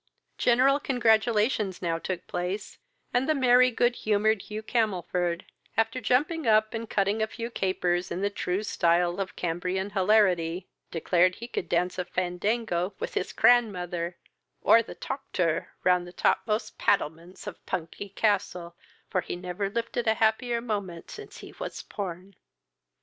General congratulations now took place, and the merry, good humoured Hugh Camelford, after jumping up and cutting a few capers in the true stile of Cambrian hilarity, declared he could dance a fandango with his cranmother; or the toctor, round the topmost pattlements of Pungay Castle, for he never lifed a happier moment since he was porn.